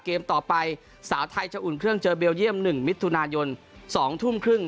เกมต่อไปสาวไทยจะอุ่นเครื่องเจอเบลเยี่ยม๑มิถุนายน๒ทุ่มครึ่ง